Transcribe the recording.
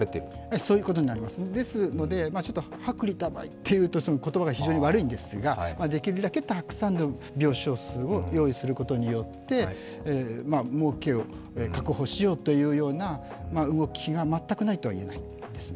そういうことになります、ですので薄利多売というと言葉が非常に悪いんですが、できるだけたくさんの病床数を用意することによって、もうけを確保しようという動きが全くないといえないですね。